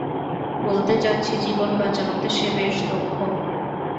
বলতে চাচ্ছি, জীবন বাঁচানোতে সে বেশ দক্ষ।